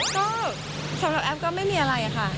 ก็สำหรับแอฟก็ไม่มีอะไรค่ะ